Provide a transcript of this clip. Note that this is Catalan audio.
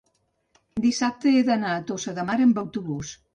dissabte he d'anar a Tossa de Mar amb autobús.